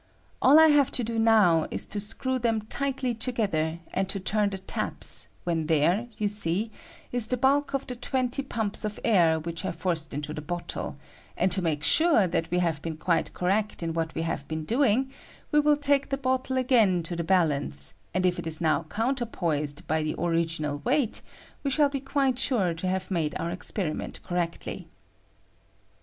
All I have to do now is to screw them lightly together, and to turn the taps, when there, you see, is the bulk of the twenty pumps of air which I forced into the bottle ; and to make sure that we have been quite correct in ' uiaite HuiB LUfiL we nave ueeu quiie correct m what we have been doing, we will take the I METHOD OF WEIGHING GASES. 131 L "bottle again to the balance, and if it is now |iOounterpoised by the original weight, we shall be quite sure we have made our experiment correctly.